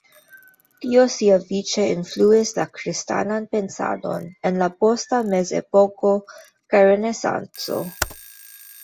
Tio siavice influis la kristanan pensadon en la posta Mezepoko kaj Renesanco.